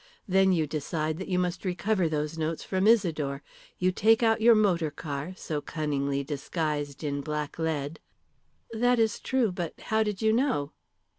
Then you decide that you must recover those notes from Isidore. You take out your motor car, so cunningly disguised in blacklead " "That is true; but how did you know?"